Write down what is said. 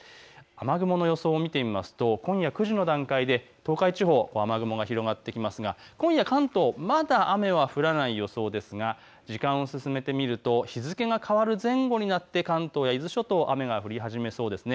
雨雲の予想を見てみると今夜９時の段階で東海地方、雨雲が広がってきますが関東地方、まだ雨が降らない予想ですが時間を進めてみると日付が変わる前後になって関東や伊豆諸島、雨が降る予想です。